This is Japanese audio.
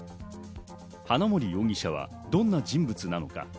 花森容疑者はどんな人物なのか。